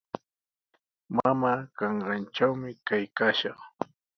Mamaa kanqantrawmi kaykaashaq.